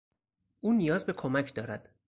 او نیاز به کمک دارد.